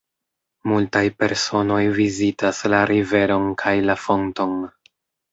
Multaj personoj vizitas la riveron kaj la fonton.